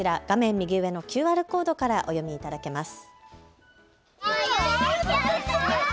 右上のＱＲコードからお読みいただけます。